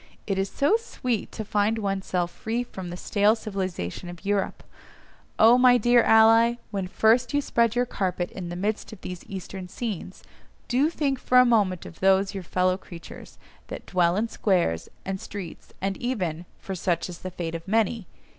It is so sweet to find one's self free from the stale civilisation of Europe! Oh my dear ally, when first you spread your carpet in the midst of these Eastern scenes, do think for a moment of those your fellow creatures, that dwell in squares, and streets, and even (for such is the fate of many!)